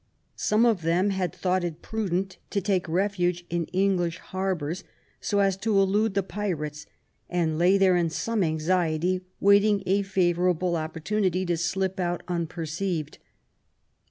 Some of them had thought it prudent to take refuge in English harbours, so as to elude the pirates, and lay there in some anxiety, waiting a favourable opportunity to slip out un perceived.